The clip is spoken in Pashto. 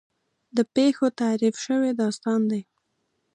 د پېښو تحریف شوی داستان دی.